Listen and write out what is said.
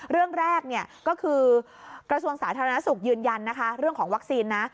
เรื่องแรกก็คือกระทรวงสาธารณสุขยืนยันนะคะเรื่องของวัคซีนนะ